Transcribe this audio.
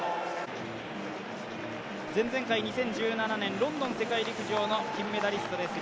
前々回２０１７年ロンドン世界陸上の金メダリストです